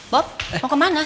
bob mau kemana